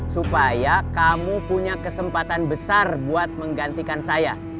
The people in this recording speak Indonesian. supaya kamu punya kesempatan besar buat menggantikan saya